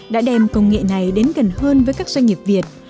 đã đem công nghệ này đến gần hơn với các doanh nghiệp việt